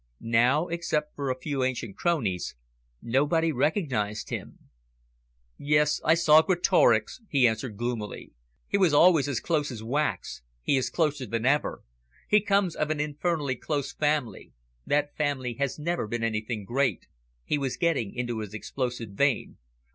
Now, except for a few ancient cronies, nobody recognised him. "Yes, I saw Greatorex," he answered gloomily. "He was always as close as wax. He is closer than ever. He comes of an infernally close family. That family has never been anything great." He was getting into his explosive vein.